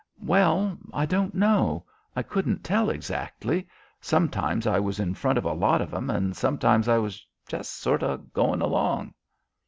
"Well I don't know. I couldn't tell exactly. Sometimes I was in front of a lot of them, and sometimes I was just sort of going along."